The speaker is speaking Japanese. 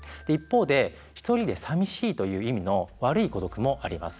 逆にさみしいという意味の悪い孤独もあります。